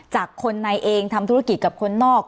จากคนในเองทำธุรกิจกับคนนอก